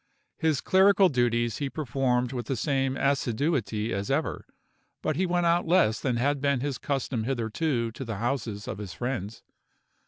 His clerical duties he performed with the same assiduity as ever; but he went out less than had been his custom hitherto to the houses of his friends.